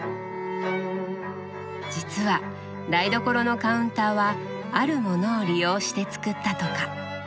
実は台所のカウンターはあるものを利用して作ったとか。